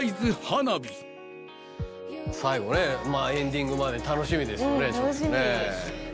花火埜紂エンディングまで楽しみですね。